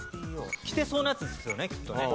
着てそうなやつですよねきっとね。